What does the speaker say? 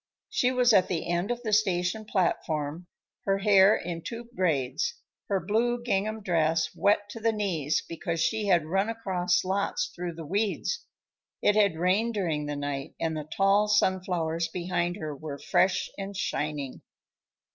She was at the end of the station platform, her hair in two braids, her blue gingham dress wet to the knees because she had run across lots through the weeds. It had rained during the night, and the tall sunflowers behind her were fresh and shining.